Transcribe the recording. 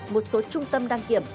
một số trung tâm đăng kiểm